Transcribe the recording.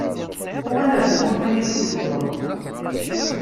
Uɣal ɣer tmurt anida i tluleḍ.